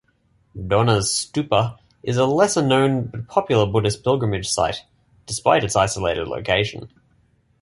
Dona's stupa is a lesser-known but popular Buddhist pilgrimage site, despite its isolated location.